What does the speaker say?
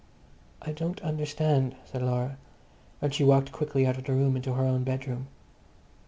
"I don't understand," said Laura, and she walked quickly out of the room into her own bedroom.